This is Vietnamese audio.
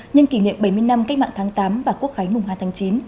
nhân kỷ niệm bảy mươi năm cách mạng tháng tám và quốc khánh mùng hai tháng chín